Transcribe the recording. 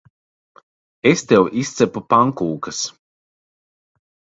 Es tev izcepu pankūkas.